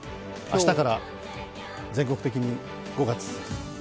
明日から全国的に５月。